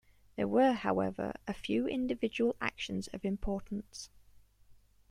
There were however a few individual actions of importance.